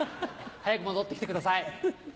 早く戻って来てください。